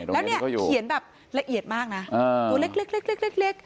แล้วเนี่ยเขียนแบบละเอียดมากนะตัวเล็ก